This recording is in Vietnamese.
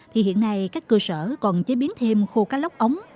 thì hiện nay các cơ sở còn chế biến thêm khô cá lóc ống